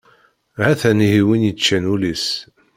Ha-t-an ihi win yeččan ul-is!